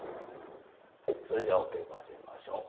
はいそれじゃお稽古始めましょう。